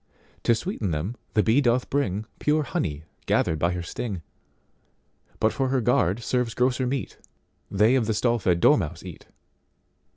To sweeten them the bee doth bringPure honey gathered by her sting:But for her guard serves grosser meat—They of the stall fed dormouse eat.